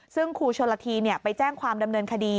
ซึ่งครูโชลธีเนี่ยไปแจ้งความดำเนินคดี